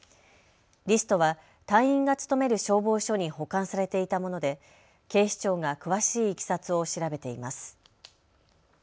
リストは隊員が勤める消防署に保管されていたもので警視庁が詳しいいきさつを調べています。